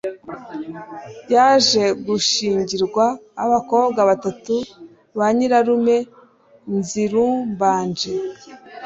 yaje gushyingirwa abakobwa batatu ba nyirarume nzirumbanje